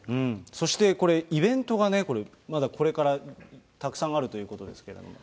そしてこれ、イベントがまだこれからたくさんあるということですけれども。